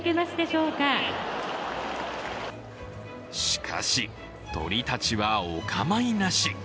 しかし、鳥たちはお構いなし。